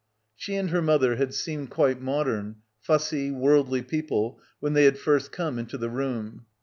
She and her mother had seemed quite modern, fussy, worldly people when they had first come into the room.